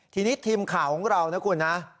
ทีนี้ทีมข่าวของเรานะคุณนะ